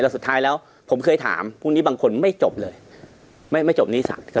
แต่สุดท้ายแล้วผมเคยถามพรุ่งนี้บางคนไม่จบเลยไม่จบนิสัย